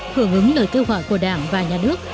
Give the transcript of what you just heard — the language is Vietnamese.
hưởng ứng lời kêu gọi của đảng và nhà nước